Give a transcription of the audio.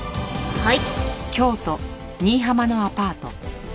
はい。